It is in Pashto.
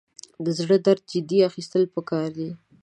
د زړه درد جدي اخیستل پکار دي.